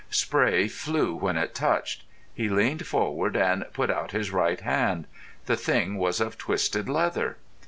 Spray flew when it touched. He leaned forward and put out his right hand. The thing was of twisted leather.